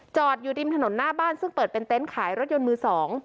อยู่ริมถนนหน้าบ้านซึ่งเปิดเป็นเต็นต์ขายรถยนต์มือ๒